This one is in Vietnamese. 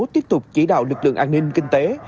tiếp tục chỉ đạo lực lượng an ninh kinh tế